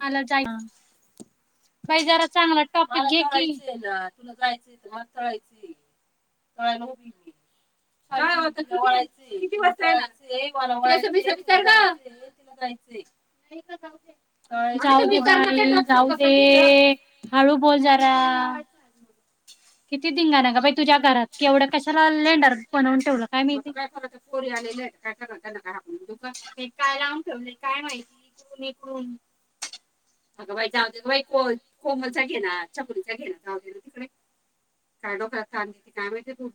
मला जायच - बाई जरा चांगला टॉपिक [unintelligible] घे की, तुला जायचंय तर मला तळायचय- [inaudible] [unintelligible] [unintelligible] [unintelligible] जाऊ दे [unintelligible] हळू बोल जरा - किती दिंगाणा ग बाई तुझ्या दारात, केवढं कशाला आणलय दारात? बनवून ठेवलं काय मी इथं [unintelligible] काय लावून ठेवलय काय काय माहित [unintelligible] [unintelligible] अग बाई जावू देत बाई, कोमलचा घे ना, चकुलीचा घे ना, जाऊ देत ना तिकडे. का डोक शांत, काय माहिती तू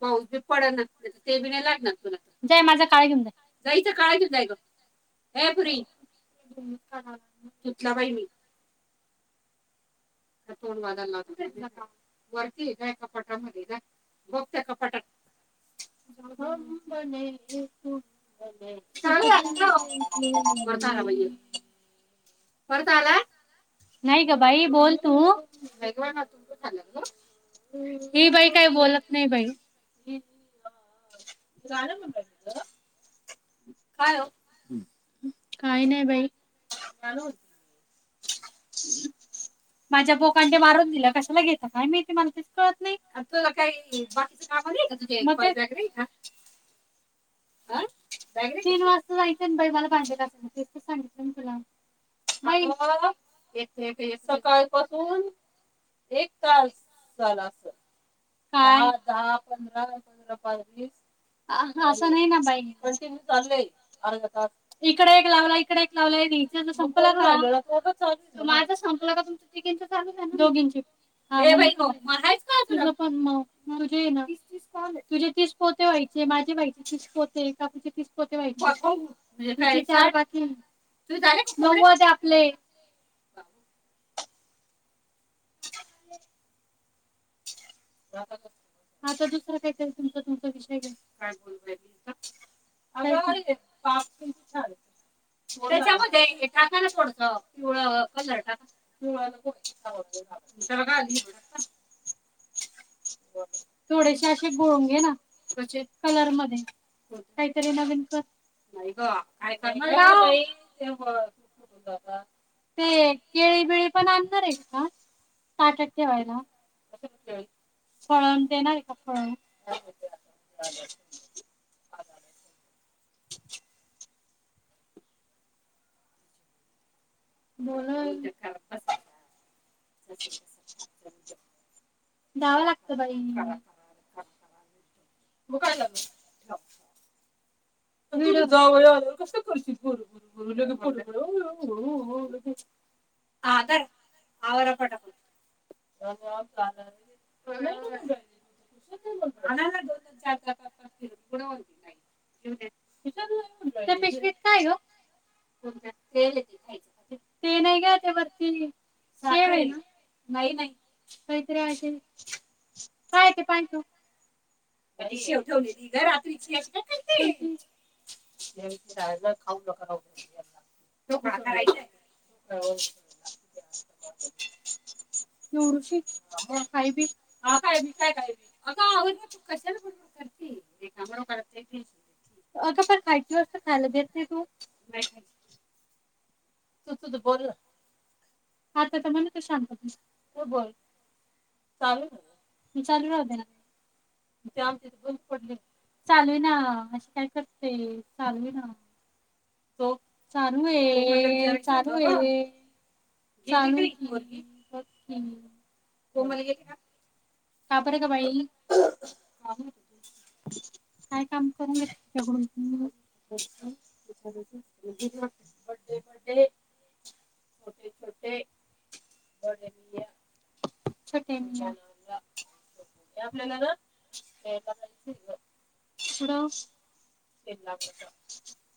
पाऊस बी पडना, ते बि नाही लागणार. ते माझ काळ घेऊन जा, जायच काळ घेऊन जायच.. ह [unintelligible] ए पुरी सुतला बाई मी तोंड वाजायला लागतो वरती आहे का एका कपाटामध्ये का गोक्तक पटण [unintelligible] करता भय करता आला नाही ग बाई बोल तू ह बाई काय बोलत [unintelligible] [unintelligible] नाही बाई काय काही नाही बाई हम् माझ्या बोकांडे मारून दिला कशाला घेतता काय मी ते माण कळत नाही का झबाे [unintelligible] तीन वाजता जायचं बाइ मला जे ते सांगितना तुला मा बा येथे सकाळपासून [unintelligible] एक तास झालात ह दहा पंधरा पं पारवी इकडे एक लावला इकडे एक लावला संप इंच चाल दोघ इं [unintelligible] मग आहेच का पण मगझे ना तुझे तीस पोते व्हायचे माझे का फिसकते कापचे फिसकते च पा तू झा नऊ वाज आपले हा तर दुसरा काय का तुमचा तुमचा विषय घ अ पा त्याच्यामध्ये टाकायला कोणतं तुळ कलर टाकाळ त बघ आ थोडेसे असे गोळंगे नाचे कलर मध्ये काहीतरी नवीन प नाही ग ते ते केळी बिळी पण आणणार आहेत ना साठक ठेवायला फळण ते ना आहे का फळण ह म्हणून द्यावं लागतं बाई ब काय झा जाऊ या कस परिस्थिती हो हो हर आर पढत का ना दोन दोन चार चार पाच पाच किलो मी पुढंनते नाही तर मिशित काय हो ते नाही का त्यावरती ना नाही नाही काहीतरी अस काय ते पाय तू कधी शेवट हो त ग रात्रीची य खाऊ [unintelligible] [unintelligible] रुषी कायबी आ कायबी काय का ला अग का खायची खायला देत तू. [unintelligible] नाहीय खायाचं. तू तुझ बोल आता तर मनाली शांत बस. तू बोल. चालू चालू राहते ना. जब तून पडले चालू ना अशी काय करते? चालू हे ना. हो चालू आहे, चालू आहे. जा त मला [unintelligible] का बर का बाई काय काम करू? ह [unintelligible] छोे छोटे [unintelligible] छोटे आपल्याला [unintelligible] पुढं एक लाख फक्त [unintelligible]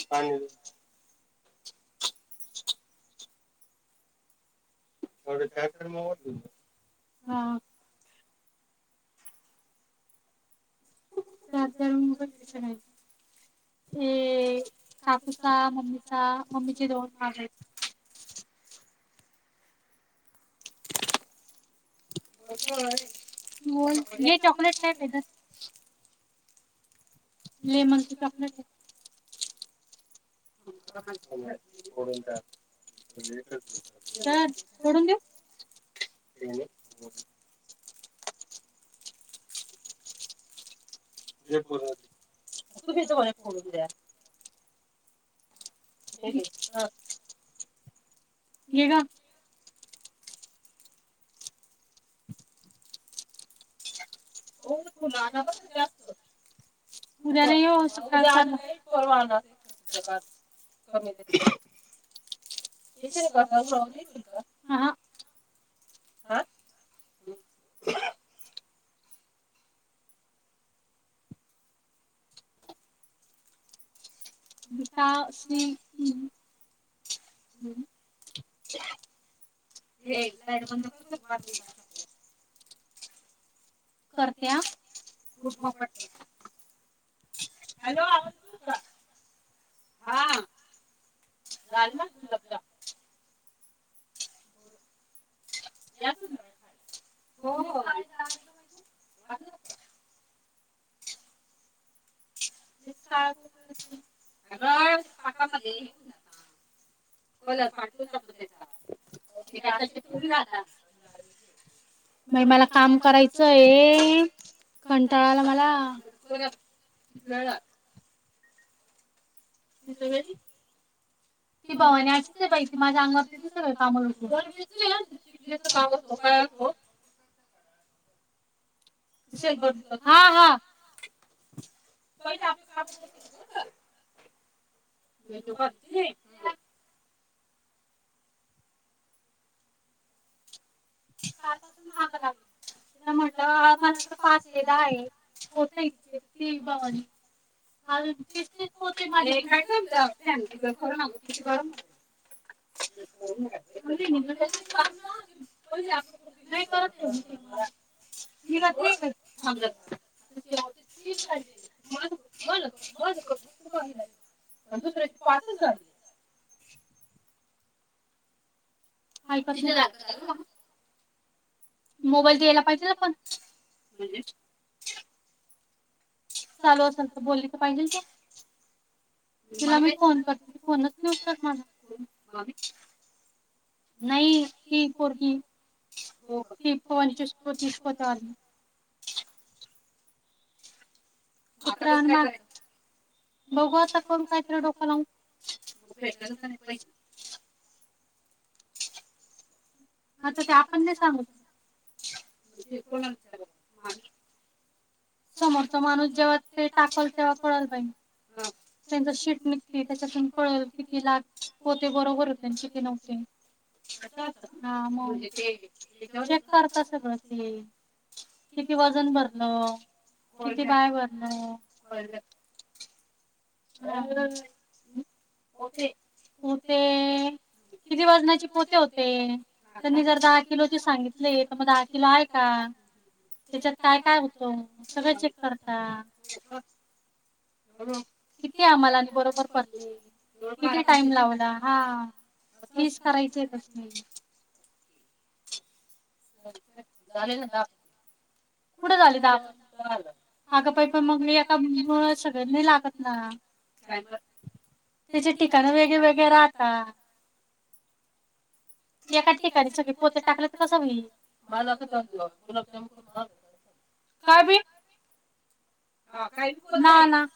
चालेल. [unintelligible] त्याच तर मुळं, हा. त्याश आहे [unintelligible] अ काकूचा मम्मीचा, मम्मीचे दोन भाग आहेत. [unintelligible] असं होय बोल घे चॉकलेट काय तर ले मग काप [unintelligible] फोडून टाक. का फोडून देऊ? त्याने [unintelligible] [unintelligible] तुम्हीच ओळख करून द्या. [unintelligible] ये ग. हो. गलाना बख जात. उद्या नही ओ सकाळी सात वाळणार कमीेतच का हा हा. आ [unintelligible] जताशी [unintelligible] हम्म. [unintelligible] हे का बंद [unintelligible] करत्या [unintelligible] हॅलो. आवाज येतो का? हा. गलना दुलप [unintelligible] हो [unintelligible] ब [unintelligible] ग पाकामध्ये कल फाडकून जातो त्याचा आताश थोडी राहता मग मला काम करायचंय कंटाळाला आला मला वेळा रिअली. [inaudible] ती भवानी अशीच बाई ती माझ्या अंगावर तिझच काम सगळं दरवेळेसच आहे तुझ काम असं काय असो. [inaudible] शेग बंद हा हा. [inaudible] [inaudible] काल पासून मागं लागलं तिला म्हटलं हा मला पाच आहे दहा आहे होतयं तिथे. ती भवानी. [inaudible] [inaudible] [inaudible] नाही करत ठीक सांग. [unintelligible] [inaudible] दुसऱ्याचे पाचच झाले. [inaudible] मोबाईल द्यायला पाहिजे ना पण. चालू असेल तर बोलली तर पाहिजे ती. म फोन करतो ती फोनच उचलत नाही माझा कोण मामी. नाही ती पोरगी [inaudible] [inaudible] बघू आता कोण काहीतरी डोक लावून म तर ते आपण नाही सांगू शकतं मगं ते कोणाला विचारणार मामी. [inaudible] समोरचा माणूस जेव्हा ते टाकल तेव्हा कळेल बाई त्यांच शीट निघते त्याच्यातून कळलं किती लाख होते बरोबर होते किती नव्हते. हा मगं चेक करता सगळं ते किती वजन भरलं. किती बॅग भरलं. होते. होते किती वजनाची पोते होते त्यांनी जर दहा किलो ची सांगितली तर मगं दहा किलो आहे का? त्याच्यात कायं कायं होतो सगळं चेक करता. किती आम्हाला आणि बरोबर किती टाईम लावला हा फीस करायची तसं नाही. [inaudible] झाले ना दहा मिनिट कुठे झाले दहा मिनिट अगं बाई पण मग मी एका मुलीमुळे सगळ्यां नाही लागत ना. टाईमर. त्याचे ठिकाण वेगळे वेगळे राहतात. एका ठिकाणी सगळे पोते टाकले तर कसं होईल माझा गुलाबजाम [inaudible] हा काही पुन्हा ना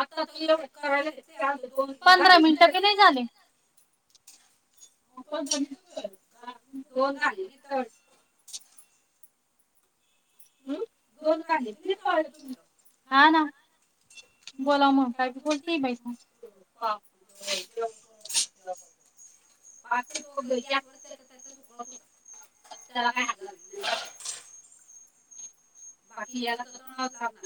आता ती पंधरा मिनिटं भी नाही झाले. दोन झाले. हम्म दोन का झाले हा ना. बोला मग काय बी बोलती बाई [inaudible] त्यालाकय हात झालं आहे बाकी यायला तर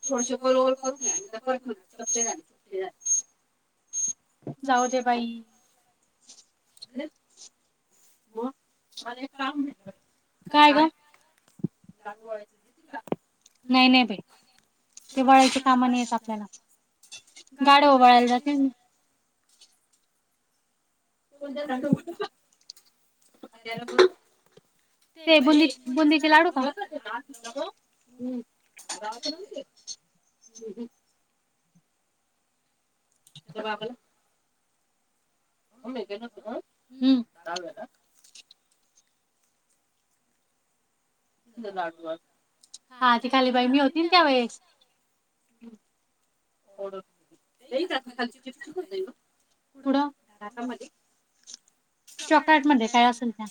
थोडसे गोल गोल करून घ्या परत म्हणणार चपटे झाले चपटे झाले जाऊ दे बाई [unintelligible] मला एक काम भेटलं. काय ग? नाही नाही बाई. ते वळायची कामं नाहीे येत आपल्याला गाड्या ओवळायला जाते [inaudible] [unintelligible] ते बुंदीच बुंदीचे लाडू का? [unintelligible] त्या बाबाला [unintelligible] हा ती खाली बाई मी होती ना त्यावेेळेस. थोडं [unintelligible] चॉकलेट मध्ये काय असेल ते आण.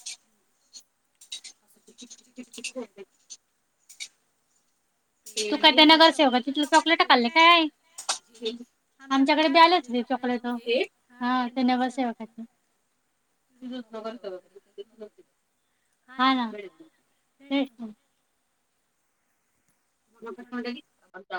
[inaudible] [inaudible] तू का त्या नगरसेवकाची तू चॉकलेट खाल्ले काय. आमच्याकडे द्यालत ती चॉकलेट, हा ते नगरसेवक हायत ते तुझंच नगरसेवक हाय हा ना भेटतो. [unintelligible]